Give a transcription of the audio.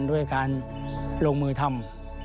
ด้วยการลงมือทำ